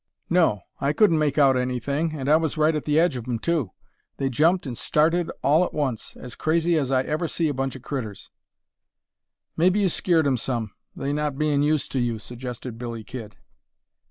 "No; I couldn't make out anything, and I was right at the edge of 'em, too. They jumped and started all at once, as crazy as I ever see a bunch of critters." "Mebbe you skeered 'em some, they not bein' used to you," suggested Billy Kid.